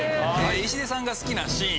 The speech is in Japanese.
石出さんが好きなシーン